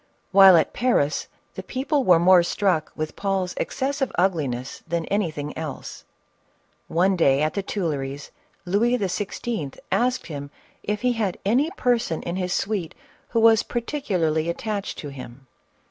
While at Paris, the people were more struck with Paul's ex cessive ugliness than anything else. One day at the Tuilleries, Louis XVI. asked him if he had any person in his suite who was particularly attached to him